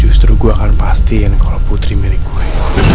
justru gue akan pastiin kalau putri milik gue